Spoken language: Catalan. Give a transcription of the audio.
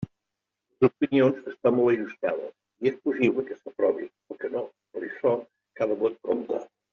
Les opinions estan molt ajustades i és possible que s'aprovin o que no, per açò, cada vot compta.